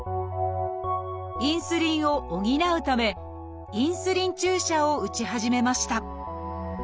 インスリンを補うためインスリン注射を打ち始めました。